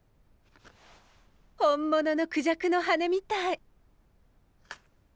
本物のクジャクの羽根みたい。